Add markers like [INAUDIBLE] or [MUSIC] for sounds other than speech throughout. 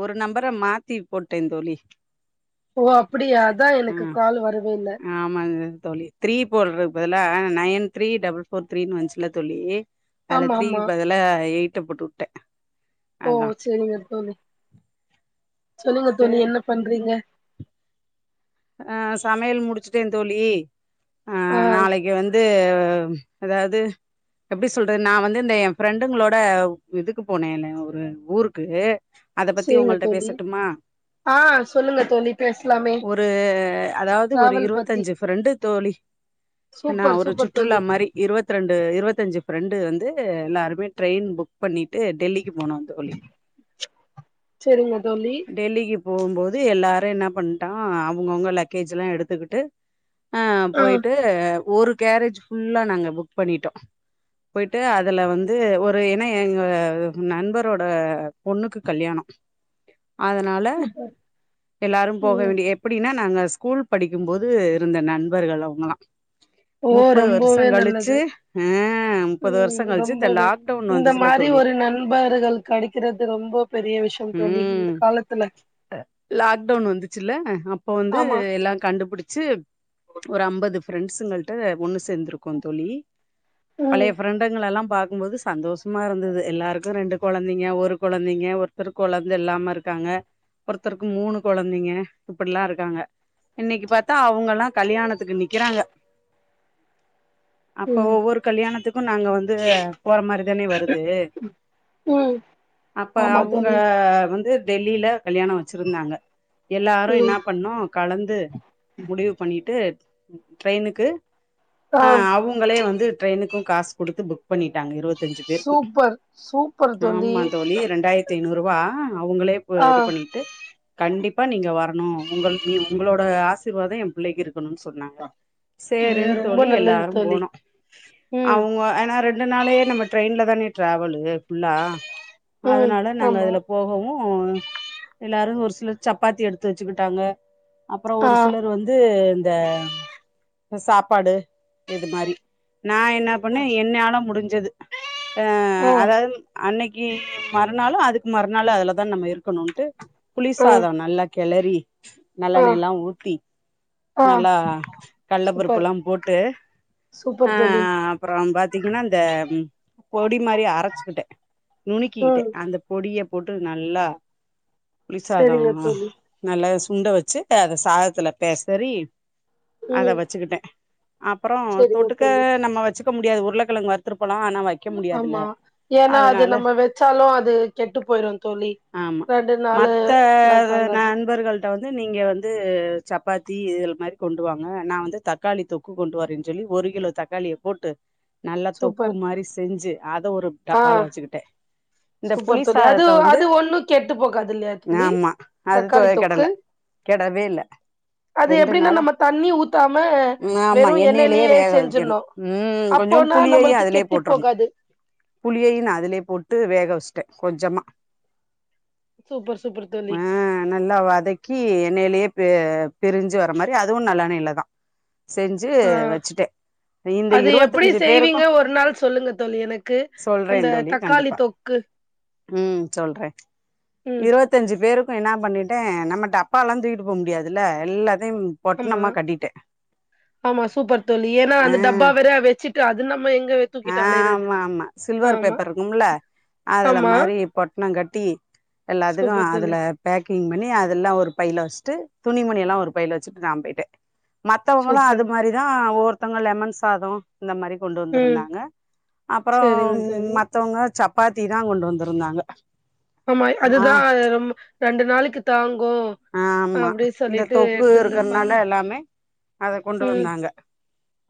ஒரு நம்பர மாத்தி போட்டே தோழி ஓ அப்டியா அதா ஆ எனக்கு கால் வருவே ஆமாங்க தோழி தீரி போட்றத் பதல்லா நைன் த்ரீ டபுல் ஃபோர் த்ரீனு வந்ச்சுல தோழி அதுல ஆமா ஆமா த்ரீக்கு பதுலா எயிட்ட போட்டு உட்ட ஓ அத்தா செரிங்க தோழி சொல்லுங்க தோழி என்ன பண்றீங்க அ சமையல் முடிச்சிட்ட தோழி அ ஆ நாளைக்கு வந்து அ அதாவது எப்டி சொல்றது நா வந்து இந்த எ ஃப்ரெண்டுங்களோட இதுக்கு போனேனே ஒரு ஊருக்கு அத பத்தி சேரிங்க உங்கள்ட்ட தோழி பேசட்டுமா ஆ சொல்லுங்க தோழி பேசலாமே ரூ அதாவது ஒரு டிராவல் பத்தி இருவத்தஞ்சு ஃப்ரெண்டு தோழி நா சூப்பர் ஒரு சூப்பர் சுற்றுலா தோழி மாரி இருவத்ரெண்டு இருவத்தஞ்சு ஃப்ரெண்டு வந்து எல்லாருமே ட்ரெயின் புக் பண்ணிட்டு டெல்லி குப் மோனோந் தோழி செரிங்க தோழி டெல்லிகிப் போகும்போது எல்லாரு என்ன பண்டோ ஆ அவங்கவுங்க லக்கேஜ் எல்லா எடுத்துக்கிட்டு அஹ் ஆ போயிட்டு ஒரு கேரேஜ் ஃபுல்லா நாங்க புக் பண்ணிட்டோ போயிட்டு அதுல வந்து ஒரு என்ன எங்க நண்பரோட பொண்ணுக்கு கல்யாணோ அதனால சூப்பர் எல்லாரும் போ ம் வேண்டிய எப்டின்னா நாங்க ஸ்கூல் படிக்கும் போது இருந்த நண்பர்கள் அவங்களா ஓ ரொம்போவே நல்லது ஆ முப்பது வருஷோ உம் கழிச்சு இந்த ரொம்பவே லாக்டவுன் இந்த வந்துச்சுல மாரி தோழி ஒரு நண்பர்கள் கடைக்கிறது ரொம்போ பெரிய விஷ்யோ தோழி இந்த ம் காலத்துல சில்ல அப்போ வந்து ஆமா எல்லா கண்டுபிடிச்சு ஒரு அம்பது ஃப்ரெண்ஸுங்கள்ட ஒன்னு சேர்ந்துருக்கோ தோழி ம் பழய ஃப்ரெண்டங்கள எல்லா பாக் கும் போது சந்தோஷ்மா இருந்தது எல்லாருக்கு ரெண்டு கொழந்தைங்க ஒரு கொழந்தைங்க ஒருத்தருக் கொழந்த இல்லாம இருக்காங்க ஒருத்தருக்கு மூணு கொழந்தைங்க இப்டிலா இருக்காங்க இன்னைக்கு பாத்தா அவங்களா கல்யாணத் துக்கு நிக்கிறாங்க அப்போ ம் ஒவ்வொரு கல்யாணத்துக்கு நாங்க வந்து போற மாறிதானே வருது ம் அப்ப ஆமா அவங்க தோழி வந்து டெல்லில கல்யாணோ வச்சிருந்தாங்க எல்லாரு ம் என்னா பண்ணோ கலந்து முடிவு பண்ணிட்டு ட்ரெயினுக்கு ஆ அவங்களே வந்து ட்ரெயினுக்கும் காசு குடுத்து புக் பண்ணிட்டாங்க இருவ்த் சூப்பர் சூப்பர் தோழி ரூவா அவுங்ளே போ ஆ இது பண்ணிட்டு கண்டிப் வரணு உங்கள் நீ உங்ளோட ஆசிர்வாதோ எ பிள்ளைக்கு இருக் னும் சொன்னாஹ இது சேரின்னு ரொம்ப தோழி நல்லது எல்லாரு தோழி போனோ ம் அவ்ங்க ஏன்னா ரெண் [UNINTELLIGIBLE] ரெண்டு நாளே நம்ம ட்ரெயின்ல தானே ட்ராவலு ஃபுல்லா ம் அதனால நாங்க ஆமா அதுல போகவூ [UNINTELLIGIBLE] எல்லாரு ஒரு சிலர் சப்பாத்தி எடுத்து வச்சுக்கிட்டாங்க அப்றோ ஆ ஒரு சிலர் வந்து தேம் சாப்பாடு இது மாரி நா என்ன பண்ணே என்னால முடிஞ் சது ஆ அதாவ்து அன்னைக்கு மறுநாலூ அது மறுநாலு அதுலதா நம்ம இருக்கணூன்ட்டு ஆ சாதோ நல்லா கெலரி ஆ நல்லெண்ணய்ல்லா ஊத்தி ஆ நல்லா கள்ளப்பருப்பு சூப்பர் எல்லா போட்டு ஆ சூப்பர் தோழி அப்றோ பாத்தீங்கன்னா இந்த பொடி மாரி அரச்சுக்கிட்டே நுணுக்கிக்கிட்டே ம் அந்த பொடியப் போட்டு நல்லா சாதோ செரிங்க தோழி நல்லஸ் சுண்ட வச்சு அத சாதத்தில பேசரி அத ம் வச்சுக்கிட்டே அப்றோ செரிங்க தொட்டுக்க தோழி நம்ம வச்சுக் க்க முடியாது உருளக்கெழங்கு வருத்துருப் ஆமா ஏன்னா அது அதனால நம்ம வெச்சாலூ அது கெட்டு போயிரூ தோழி ரெண்டு நாலு த அது நண்பர்கள் டா வந்து நீங்க வந்து சப்பாத்தி இதில மாரி கொண்டுவாங்க நா வந்து தக்காளி தொக்கு கொண்டுவரேன்னு சொல்லி ஒரு கிலோ தக்காளிய போட்டு நல்ல தொக்கு சூப்பர் மாரி செஞ்சு அத ஒரு ஆ டப்பால வச்சுக்கிட்டே இந்த புளி சூப்பர் தோழி அது சாதத்த வந்து அது ஒண்ணு கெட்டு போகாதில்யாத் ளி ஆமா அது தொ தக்காளி தொக்கு கெடல கெடவே இல்ல அது ரெண்டு எப்பிடின்னா நாளா நம்ம தண்ணி ஊத்தாம ஆமா வெறும் எண்ணெயிலயே வேக வைக்கணு செஞ்சிர்ணு ம் கொஞ்சோண்டு அப்போனா நம்மளுக்கு கெட்டு போகாது புளியையும் நான் அதுலயே போட்டு வேக வச்சுட்டேன் கொஞ்சமா சூப்பர் சூப்பர் தோழி ஆ நல்லா வதக்கி என்னையிலே பெ பிரிஞ்சு வர மாரி அதுவு நல்லெண்ணெய்லதான் ஆ இந்த அது எப்பிடி இருவத்தஞ்சு பேருக்கு செய்வீங்க ஒரு நாள் சொல்லுங்க தோழி எனக்கு சொல்றே அந்த தோழி தக்காளி கண்டிப்பா தொக்கு ம் சொல்றன் ம் பேருக்கு என்ன பண்ணிட்டேன் நம்ம டப்பால்லா தூக்கிட்டு போ முடியாதுல்ல எல்லாத் அம்மா ஆமா சூப்பர் தோழி ஏன்னா அந்த டப்பா வேற வெச்சுட் ட்டு அது நம்ம எங் ஆ ஆமாம்மா சில்வர் பேப்பர் இருக்கும்ல அதுல ஆமா மாரி பொட்டனங்கட்டி எல்லாத்துக்கு சூப்பர் தோழி அதுல பேக் கிங் பண்ணி அதுல்லா ஒரு பைல வஷ்ட்டு துணிமணி எல்லா ஒரு பைல வச்சிட்டு நா பொயிட்டே மத்தவுங்களு அது சூப்பர் மாரிதா ஓர் உத்தங்க லெமன் சாதோ இந்த மாரி கொண்டு ம் வந்திருந்தாங் ங்க செரிங்க அப்பறோம் தோழி மத்தவுங்க சப் பாத்திதா கொண்டு வந்துருந்தாங்க ஆம்ய் அதுதா அது ரொம்பு ரெண்டு நாளிக்கு தாங் ஆம்மா இந்த தொக்கு எடுத்து வந்திருப்பாங்க இருக்ற்னால எல்லாமே அத கொண்டு ம் வந்தாங்க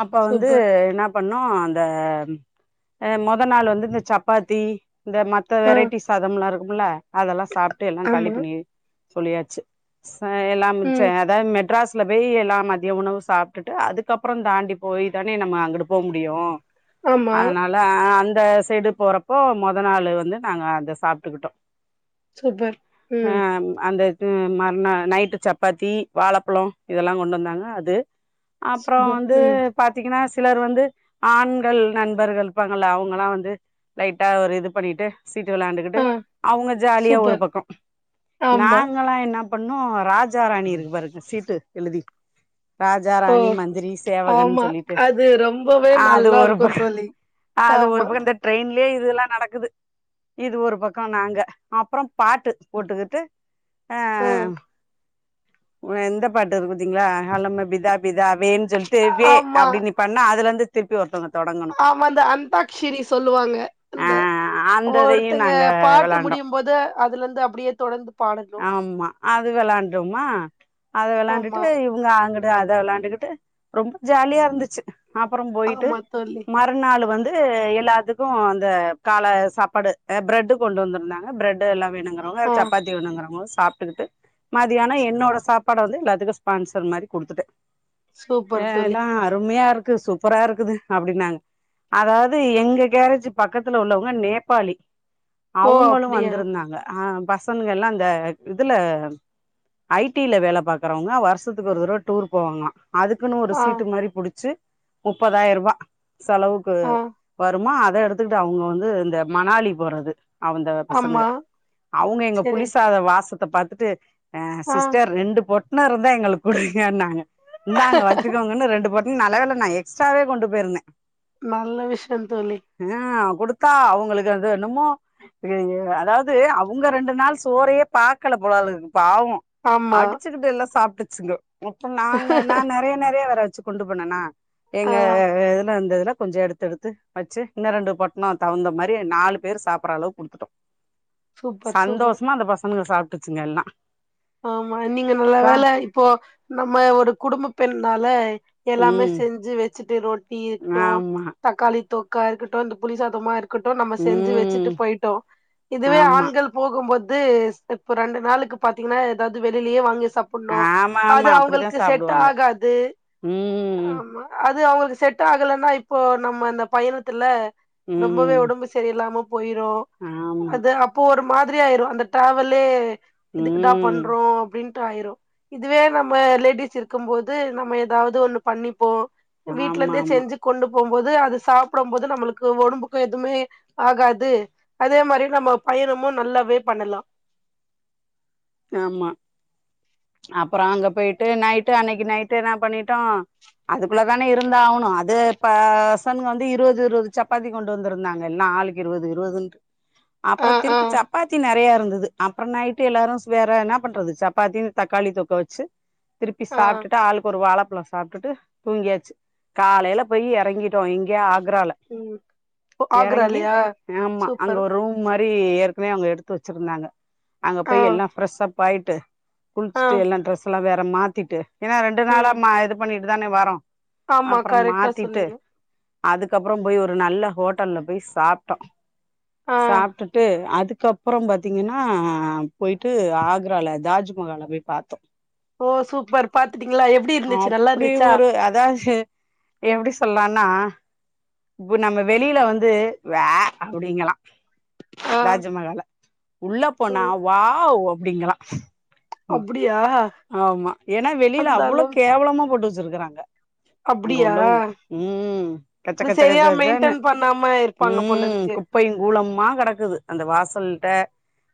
அப்ப வந்து சூப்பர் என்னாப் பண்ணோ அந்த எ மொத நாள் வந்து இந்த சப்பாத்தி இந்த மத்த ஆ வெரைட்டி சாதம்லாரு உபுல்ல அதல்லா சாப்ட்டு எல்லா ஆமா காலிபணியி சொல்லியாச்சு ப எல்லாமிச்ச ம் அதாவு மெட்ராஸ் ட்ல பேயி எல்லா மதிய உணவு சாப்ட்டுட்டு அதுக்கப்றொ தாண்டி போயி தானே நம்ம அங்குடு போ முடியு ஆமா அதனால அ அந் த சேடு போறப்போ மொத நாளு வந்து நாங்க அத சாப்ட்டுக்குட்டோ சூப்பர் ம் ம் மறுணா நைட்டு சப்பாத்தி வாழப்ழோ இதல்லா கொண்டு வந்தாங்க அது அப்றோ சூப்பர் வந்து ம் பாத்தீக்கினாஸ் சிலர் வந்து ஆண்கள் நண்பர்கள் இப்பாங்கள்ள அவுங்கலா வந்து லைட்டா ஒரு இது பண்ணிட்டு சீட்டு விளாண்டுகிட்டு ஆ அவுங்க ஜாலியா ஒரு சூப்பர். பக்கம் ஆமா. நாங் நா என்ன பண்ணு ராஜ் ஜ்ஜா ராணி இருக்கு பாருங்க சீட்டு எழுதி ராஜா ஓ! ராணி மந்திரி சேவகன் ஆமா. சொல்லிட்டு அது ரொம்பவே அது நல்லா ஒரு இருக்கும் பக் தோழி. அது ஒரு ஆமா. பக்க இந்த ட்ரெயின் லே இதுல்லா நடக்குது இது ஒரு பக்க நாங்க அப்புறோ பாட்டு போட்டுக்கிட்டு ஆ அ ஆ உ எந்த பாட்டு இருக்குதீங்களா அல்லம பிதா பிதா வேன் சொல்லிட்டு வே ஆமா, அப்டின்னு நீ பண்ணா அதுல இருந்து திருப்பி வரட்டு ஆமா இந்த அந்தாக்க்ஷினி சொல்லுவாங்க ஆ அந்த அந்த இதையு ஒருத்தங்க நாங்க பாட்டு வெளாண்டோ முடியும் போது அதுல ருந்து அப்படியே தொடர்ந்து பாடணு ஆமா அது விளாண்டுர்மா அது விளாண்டுட்டு ஆமா, இவங்க அ அங்கிட்டு அத விளாண்டுகிட்டு ரொம்ப ஜாலியாருந்துச்சு அப்புற போயிட்டு ஆமா தோழி. மறுநாளு வந் அது எல்லாத்துக்கு இந்த கால சாப்பாடு அ பிரெட் கொண்டு வந்திருந்தாங்க பிரெட் எல்லா வேணு ங்கிறவங்க ஆ சப்பாத்தி வேணுங்றவங் சாப்டுகிட்டு மதியான என்னோட சாப்பாட வந்து எல்லாத்துக்கு ஸ்பான்சர் மாரி குடுத்துட்டே ஏ சூப்பர் தோழி. எல்லாம் அருமையாருக்கு இது சூப்பரா இருக்குது அப்டினாங்க அதாது எங்க கேரேஜ் பக்கத்துல உள்ளவங்க நேபாளி ஓ! அவுங்களு அப்படியா? வந்திருந்தாங்க அஹ்ம் பசனுக எல்லா அந்த இதுல ஐடில வேல பாக்குறவங்க வருஷத்க்கு ஒரு தரவ டூர் போவாங்களா அதுக்குன்னு ஒரு ஆ, சீட்டு மாரி புடிச்சி முப்பதாயிருவா செலவுக்கு ஆ. வருமா அ அத எடுத்துகிட்டு அவுங்க வந்து இந்த மணாலி போறது அவுந்த பசனுக ஆமா. அவுங்க எங்க சரி. புலிசாத வாச த்த பாத்துட்டு ஆஹ் ஆ சிஸ்டர் ரெண்டு போட் இனொர்தயங்கள் குடுக்கனாங்க இந்தாங்க வச்சுக்கோங்கன்னு ரெண்டு பொட் ம் நல்லவேல நா எக்ஸ்ட்ராவே கொண்டு போயிருந்தே நல்ல விஸ்ய தோழி ஆ குடுத்தா அவங்களுக்கு அது என்னுமோ அதாவது அவுங்க ரெண்டு நாள் சோறையே பாக்கல போல இருக்குது பாவோ ஆமா. அடிச்சுக்கிட்டு எல்லா சாப்ட்டுது சிங்க மொத்த நாங்க நா நறையா நறையா வேற வெச்சு கொண்டு போனனா ஆ ஏங்க இதுல வந்து தா கொஞ்சோ எடுத்தெடுத்து வச்சு இன்னோ ரெண்டு பொட்ணோ தகுந்த மாரி நாலு பேர் சாப்ட்ற அளவுக்கு குடுத்துட்டோ சூப்பர், சூப்பர். சந்தோஷமா அந்த பச ங்க சாப்டுச்சுங்க எல்லா ஆமா நீங்க நல்ல சா வேல இப்போ நம்ம ஒரு குடும்ப பெண்னால எல்லாமே ம் செஞ்சு வெச் சிட்டி ரோட் தீ இருக்கட்டோ ஆமா தக்காளி தொக் கா இருக்கட்டு அந்த புளி சாதமா இருக் கட்டு நம்ம செஞ்சு வெச்சுட்டு ம் போயிட்டோ இதுவே ஆமா ஆண்கள் போகும்போது து இப்ப ரெண்டு நாளுக்கு பாத் தீங்னா எதாவது வெளியிலேயே வாங்கி சப்புனு ஆமா அது ஆமா அப்டிதா அவுங்களுக்கு செட் சாப்டுவாங்க ஆகாது ம் ஆமா அது அவங்களு இது செட் ஆகலென்னா இப்போ நம்ம அந்த பயணத்துல ரொம்பவே ம் ஒடம்பு சரியில்லாம போயிரு ஆமா அது அப்போ ஒரு மா திரி ஆயிரு அந்த ட்ராவலே எதுக்குடா ம் பண்றோ அப்டின் ட்டாயிரு இதுவே நம்ம லேடிஸ் இருக்கும் போது நம்ம எதாவது ஒண்ணு பண்ணிப்போ ஆமா வீட்லெருந்தே ஆமா செஞ்சு கொண்டு போம்போது அது சாப்படும் போது நம்மளுக்கு ஒடம்புக்கு எதுமே ஆகாது அதே மாரி நம்ம பயணமு நல்லாவே பண்ணலா ஆமா அப்பறோ அங்க போய்ட்டு நைட்டு அன்னைக்கு நைட்டு நா பண்ணிட்டோ அதுக்குள்ள தானே இருந்தாவனு அது ப பசங்க வந்து இருவது இருவது சப்பாத்தி கொண்டு வந்திருந்தாங்க எல்லா ஆளுக்கு இருவது இருவதுன்ட்டு ஆ அப்பறொ ஆ திருப்பி சப்பாத்தி நெறைய இருந்துது அப்றொ நைட்டு எல்லாரு ஸ் வேற என்னா பண்றது சப்பாத்தி தக்காளி தொக்க வச்சு திருப்பி ஆ சாப்டுட்டு ஆளுக்கொரு வாழப் ஃபுல்லா சாப்டுட்டு தூங்கியாச்சு காலைல போய் எறங்கிட்டோ இங்கே ஆக் விறால ம் ஓ, எறங்கி ஆக்ராலயா ஆமா அங்க சூப்பர் ஒரு ரூம் மார் ரி ஏற்கனவே அவுங்க எடுத்து வச்சிருந்தாங்க அங்க ஆ போய் எல்லா ஃப்ரஸ்சப்பாய்ட்டு ஆ குள்ச்சுட்டு எல்லா டிரெஸ்ல்லா வேற த மாத்திட்டு ஏன்னா ரெண்டு நாளா ம் ம இது பண்ணிரு அத்தானே வரோ ஆமா அப்புறம் கரெக்ட்டா மாத்திட்டு சொன்னீங்க அதுக்கப்புறம் போய் ஒரு நல்ல ஹோட்டல்ல போய் சாப்டோ ஆ சாப்டுட்டு அதுக் அதுக்கப்புறம் பாத்தீங்கன்னா போயிட் ட்டு ஆக்ரால தாஜ்மஹால போய் பாத்தோ ஓ சூப்பர் பாத் அப்டி ஒரு அதாது எப்டி சொல்லானா இப்ப நம்ம வெளியில வந்து வே அப்படிங்கலா ஆ தாஜ்மகால உள்ள போனா ம் வாவ் அப் ப்டிங்களா அப்டியா ஆமா ஏனா வெளியில அந்த அவ்ளோ அளவுக்கு கேவலமா போட்டு வச்சு சிருக்குறாங்க அங்க அப்டியா உள்ளவங்க ம் கச்ச அது கச்ச கச்ச சரியா கச்சன்னு மெயின்டென் பண்ணாம இருப்பாங்க போல ம் இருக்கு குப்பையு கூலமுமா கெடக்குது அந்த வாசல்ட்ட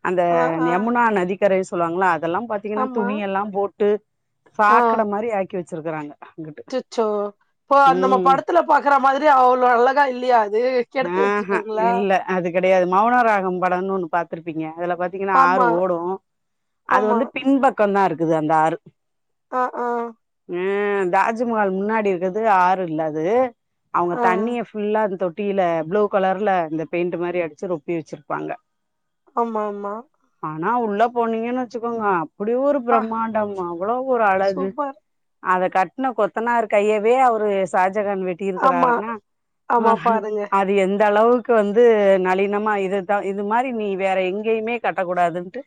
அந்த ஆ ஆ யமுனா நதிக்கரை ஸ் சொல்வாங்கலாத் இதெல்லா பாத்தீங்கன்ன ஆமா துணி எல்லாப் போட்டு ஆ சாக்கட மாரி ஆக்கி வச் ச்சிறுக்குறாங்க அச்சச்சோ ஓ அந்தம்ம படத்துல பாக்குற மாதிரி அவ்ளோ அழகா இல்லையா அது கெடுத்து ஆ ஹ வச்சிருக்காங்களா இல்ல அது கிடையாது மௌன ராகம் படம்னு ஒண்ணு பாத்துருப்பீங்க அதுல பாத்தீங்கன்னா ஆறு ஆமா ஓடு அது ஆமா வந்து பின்பக் பக்கந்தா இருக்குது அந்த ஆறு அ ஆ அஹ் தாஜ்மஹால் முன்னாடி இருக்கிறது ஆறு இல்லாது அவங்க ஆ தண்ணிய ஃபுல்லாது தொட் குட்டியூல ப்ளூ கலர்ல இந்த பெயிண்ட் மாரி அடிச்சு ரொப்பி வச்சிருப்பாங்க ஆமா ஆமா நா உள்ள போனீங்கன்னு வச்சுக்கோங்க அப்டி ஒரு பா பிரம்மாண்டம் அவ்ளோ ஒரு அழகு சூப்பர் அத கட்ன கொத்தனார் கையவே அவரு சாத் ஜகன் ஆமா வெட்டியிருக்குறாருன்னா ஆமா ஹ் பாருங்க அது எந் இந்த அளவுக்கு வந்து நளினமா இதுதான் இது மாதிரி நீ வேற எங்கேயுமே கட்டக்கூடாதுன்ட்டு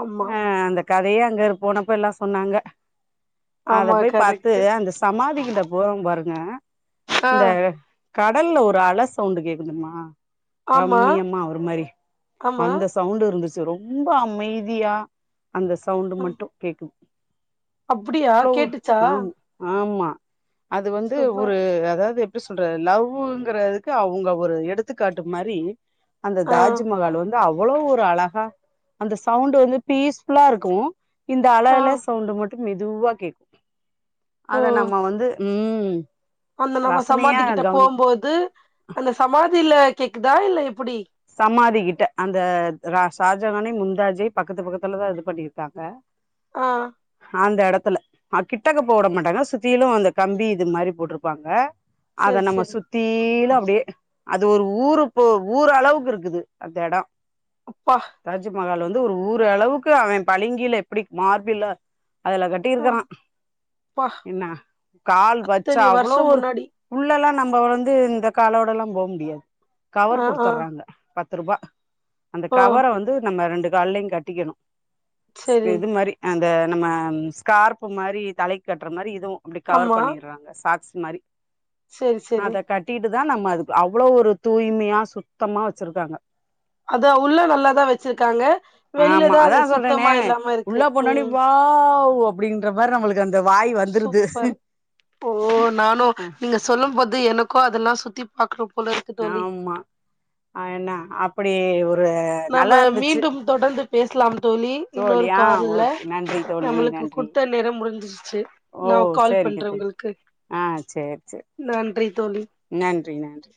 ஆமா அந்த கதையே அங்க இரு போனப்ப எல்லா சொன்னாங்க அத ஆமா போய் பாத்து கரெக்ட்டு அந்த சமாதி கிட்ட போற பா ஆஹ் ஆ ந்த கடலூர் ஒரு அல சவுண்ட் கேக்குதுமா ஆமா ரம்மியம்மா ஒரு மாரி ஆமா அந்த சவுண்ட இருந்துச்சு ரொம்ப அமைதியா அந்த சவுண்டு அ மட்டும் கேக்குது அப்டியா அவ்ளோ கேட்டுச்சா ஆம் ஆமா அது வந்து சூப்பர் ஒரு அதாவது எப்படி சொல்றது லவ்வூ இருக்கறதுக்கு அவுங்க ஒரு எடுத்துக்காட்டு மாரி அந்த ஆ தாஜ்மஹால் வந்து அது அவ்வளோ ஒரு அழகா அந்த சவுண்ட் வந்து ஃபீஸ் ஃபுல்லா இருக்கு இந்த ஆ அலல சவுண்டு மட் டு மெதுவா கேக் அத ஓ நம்ம வந்து ம் அந்த நம்ம ரசனையா சமாதிக்கிட்ட கவனி போம்போது அந்த சமாதில கேக்குதா இல்ல எப்புடி சமாதி கிட்ட அந்த ரா ஷாஜகானே முந்தாஜியே பக்கத்து பக்கத்துலதா இது பண்ணிருக்காங்க ஆ அந்த எடத் த்துல கிட்டக்க போ விட மாட்டாங்க சுத்திலு அந்த கம்பி இது மாரி போட்டிருப்பாங்க அத செரி நம்ம செரி சுத்திலும் அப்டியே அது ஒரு ஊரு போ ஊர் அளவு இருக்குது அந்த ஏடோ அப்பா தாஜ்மஹால் வந்து ஒரு ஊர அளவுக்கு அவே பளிங்கில எப்டி மார்பில்ல அதுல ஆ கட்டிருக்குறா அப்பா என்ன கால் வச்சா அத்தனை அவ்வளோ வருஷோ ஒரு முன்னாடி உள்ளல்லா நம்ம இப்ப வந்து இந்த காலோடல்லா போக முடியாது கவர் ஆ ஆ குடுத்துர்றாங்க பத்து ரூபா அந்த ஓ கவர வந்து நம்ம ரெண்டு கால்லையும் கட்டிக்கணு செரி இது மாதிரி அ இந்த நம்ம ஸ்கார்பு மாரி தலைக்கு கட்ற மாரி இத் து அப்டி கவர் பண்ணிர்றாங்க சாக்ஸ் துமாரி சேரி சேரி இதா நம்ம அதுக்கு அவ்ளோ ஒரு தூய்மையா சுத்தமா வச்சிருக்காங்க அதா உள்ள நல்லாதா வச்சிருக்காங்க ஆமா வெளிலதா அது அதா சொல்றேனே சுத்தமா இல்லாம இருக்கு உள்ள போனோனே வாவ் ஓ அப்டின்ற மாரி நம்மளுக் சூப்பரு ஓ நானு அஹ் நீங்க சொல்லும்போது எனக்கு அதுலா சுத்தி பாக்கணும் ஆமா அதுனா அட் அப்டியே ஒர் நம்ம மீண்டும் தொடர்ந்திப் பேஸ்லாம் தோழி இன்னொரு தோழியா கார்ல ஓகே நன்றி தோழி நம்ளுக்கு நன்றி குடுத்த நேரம் முடிஞ்சிருச்சு ஓ நா கால் சரிங்க பண்றே தோழி உங்ளுக்கு ஆ சரி சரி நன்றி தோழி நன்றி நன்றி